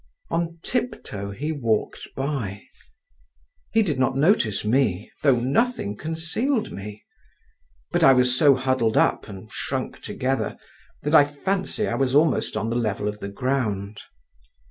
On tip toe he walked by. He did not notice me, though nothing concealed me; but I was so huddled up and shrunk together that I fancy I was almost on the level of the ground.